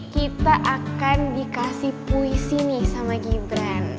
kita akan dikasih puisi nih sama gibran